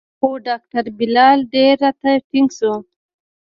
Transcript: خو ډاکتر بلال ډېر راته ټينګ سو.